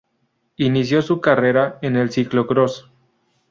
Inició su carrera en el ciclocross.